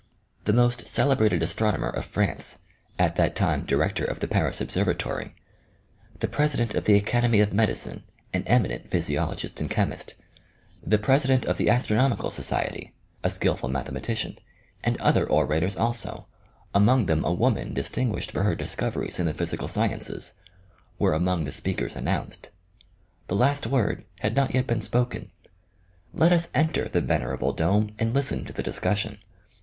The most celebrated astronomer of France, at that time director of the Paris observatory ; the president of the academy of medicine, an eminent physiologist and chemist ; the president of the astronom ical society, a skillful mathematician, and other orators also, among them a woman distinguished for her discov eries in the physical sciences, were among the speakers announced. The last word had not yet been spoken. L,et us enter the venerable dome and listen to the discussion.